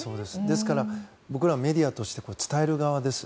ですから僕らメディアとして伝える側です。